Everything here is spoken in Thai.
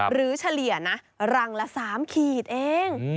เฉลี่ยนะรังละ๓ขีดเอง